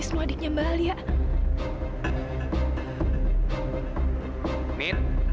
kamu ngomong sama siapa visnu pens jimi